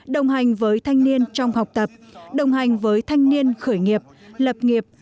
đồng hành với thanh niên trong học tập đồng hành với thanh niên khởi nghiệp lập nghiệp